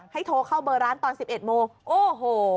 โทรเข้าเบอร์ร้านตอน๑๑โมงโอ้โห